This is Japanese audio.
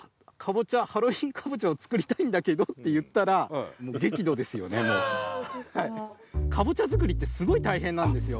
ハロウィーンかぼちゃを作りたいんだけど」って言ったらかぼちゃ作りってすごい大変なんですよ。